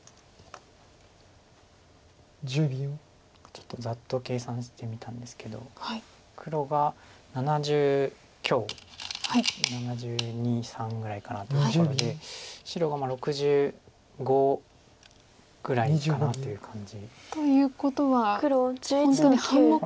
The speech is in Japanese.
ちょっとざっと計算してみたんですけど黒が７０強７２７３ぐらいかなというところで白が６５ぐらいかなという感じ。ということは本当に半目勝負。